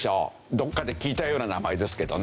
どこかで聞いたような名前ですけどね。